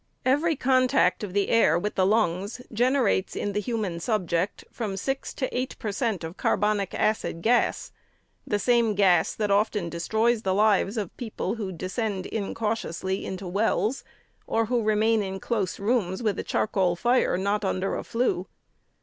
Every contact of the air with the lungs generates in the human subject from six to eight per cent of carbonic acid gas — the same gas that often destroys the lives of people who descend incautiously into wells, or who remain in close rooms, with a charcoal fire not under a flue.